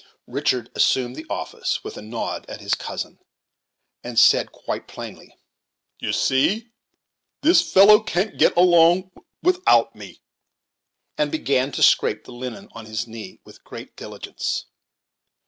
Richard assumed the office, with a nod at his cousin, that said quite plainly, "You see this fellow can't get along without me;" and began to scrape the linen on his knee with great diligence.